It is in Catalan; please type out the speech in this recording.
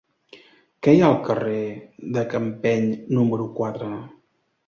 Què hi ha al carrer de Campeny número quatre?